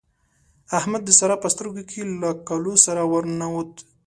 احمد د سارا په سترګو کې له کالو سره ور ننوت.